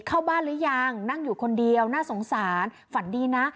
เข้าบ้านหรือยังนั่งอยู่คนเดียวน่าสงสารฝันดีนะ